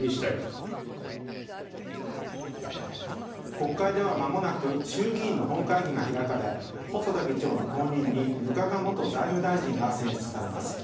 国会では間もなく衆議院の本会議が開かれ細田議長の後任に額賀元財務大臣が選出されます。